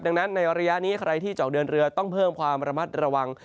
ดังนั้นในระยะนี้ใครที่จะออกเดินเรือต้องเพิ่มความระมัดระวัง